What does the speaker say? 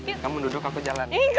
kamu duduk aku jalan